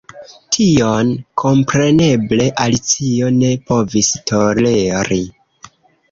Tion kompreneble Alicio ne povis toleri.